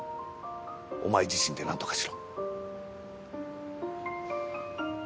お前自身でなんとかしろ。